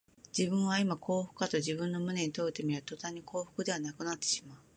自分はいま幸福かと自分の胸に問うてみれば、とたんに幸福ではなくなってしまう